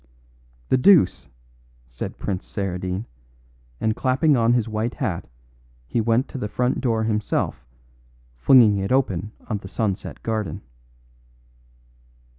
"The deuce!" said Prince Saradine, and clapping on his white hat he went to the front door himself, flinging it open on the sunset garden.